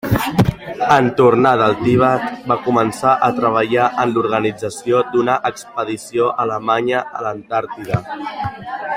En tornar del Tibet, va començar a treballar en l'organització d'una expedició alemanya a l’Antàrtida.